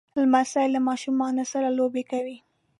لمسی له ماشومو سره لوبې کوي.